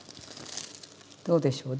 どうでしょう。